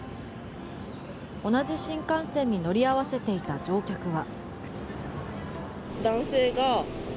同じ新幹線に乗り合わせていた乗客は。